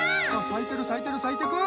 さいてるさいてるさいてく！